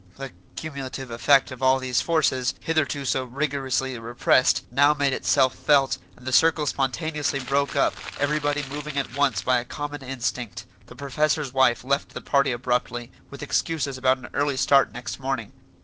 The cumulative effect of all these forces, hitherto so rigorously repressed, now made itself felt, and the circle spontaneously broke up, everybody moving at once by a common instinct. The professor's wife left the party abruptly, with excuses about an early start next morning.